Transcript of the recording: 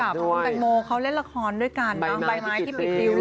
พี่แซมกับน้องแตงโมเขาเล่นละครด้วยกันบางไม้ที่ปิดริ้ว